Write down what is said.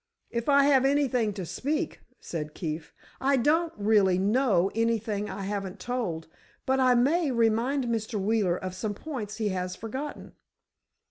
"If I have anything to speak," said Keefe. "I don't really know anything I haven't told, but I may remind Mr. Wheeler of some points he has forgotten."